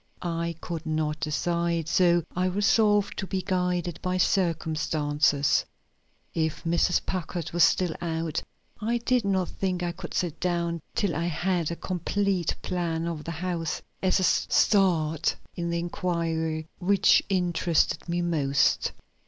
I could not decide, so I resolved to be guided by circumstances. If Mrs. Packard were still out, I did not think I could sit down till I had a complete plan of the house as a start in the inquiry which interested me most.